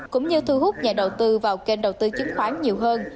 cũng như thu hút nhà đầu tư vào kênh đầu tư chứng khoán nhiều hơn